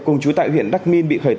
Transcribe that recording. cùng chú tại huyện đắc minh bị khởi tố